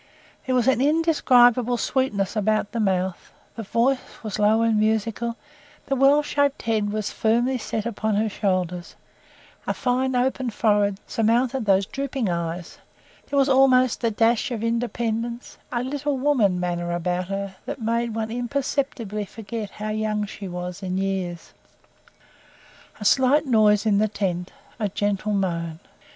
There was an indescribable sweetness about the mouth; the voice was low and musical; the well shaped head was firmly set upon her shoulders; a fine open forehead surmounted those drooping eyes; there was almost a dash of independence; a "little woman" manner about her that made one imperceptibly forget how young she was in years. A slight noise in the tent a gentle moan.